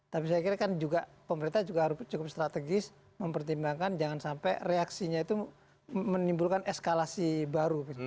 tapi saya kira kan juga pemerintah juga harus cukup strategis mempertimbangkan jangan sampai reaksinya itu menimbulkan eskalasi baru